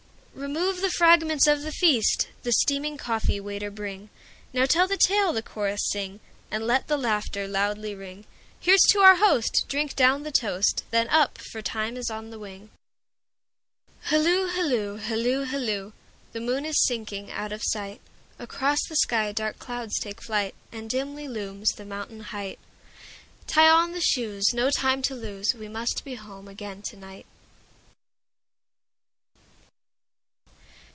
Remove the fragments of the feast! The steaming coffee, waiter, bringNow tell the tale, the chorus sing, And let the laughter loudly ring; Here 's to our host, drink down the toast, Then up! for time is on the wing. Hilloo, hilloo, hilloo, hilloo! The moon is sinking out of sight, Across the sky dark clouds take flight, And dimly looms the mountain height; Tie on the shoes, no time to lose, We must be home again to night.